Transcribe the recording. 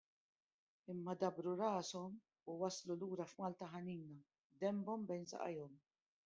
Imma dabbru rashom u waslu lura f'Malta ħanina, denbhom bejn saqajhom.